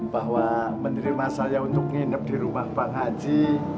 bahwa menerima saya untuk nginep di rumah bang haji